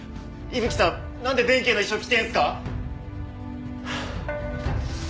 伊吹さんなんで弁慶の衣装着てるんですか？